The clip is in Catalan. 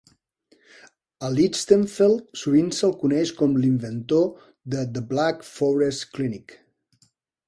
A Lichtenfeld sovint se'l coneix com l'inventor de "The Black Forest Clinic".